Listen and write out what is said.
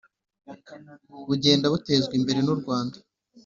bugenda butezwa imbere mu rwanda